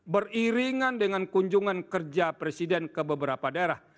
beriringan dengan kunjungan kerja presiden ke beberapa daerah